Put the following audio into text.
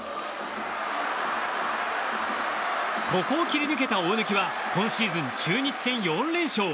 ここを切り抜けた大貫は今シーズン中日戦４連勝。